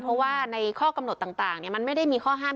เพราะว่าในข้อกำหนดต่างมันไม่ได้มีข้อห้าม